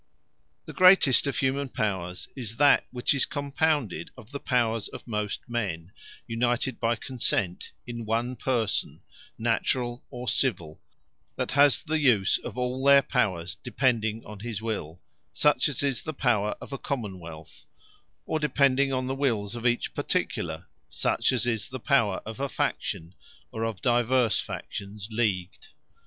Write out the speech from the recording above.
The Greatest of humane Powers, is that which is compounded of the Powers of most men, united by consent, in one person, Naturall, or civill, that has the use of all their Powers depending on his will; such as is the Power of a Common wealth: or depending on the wills of each particular; such as is the Power of a Faction, or of divers factions leagued.